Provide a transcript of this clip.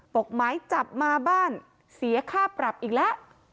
หมายจับมาบ้านเสียค่าปรับอีกแล้ว